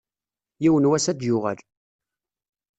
Yiwen n wass ad d-yuɣal.